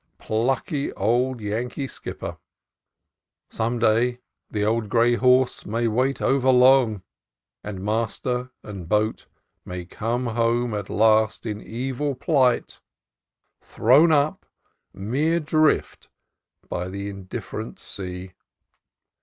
Plucky old Yankee skipper! Some day the old gray horse may wait over long, and master and boat may come home at last in evil plight, thrown up, mere drift, by the in different sea.